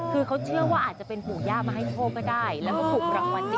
คือเขาเชื่อว่าอาจจะเป็นหูย่าก้ามาให้โชคก็ได้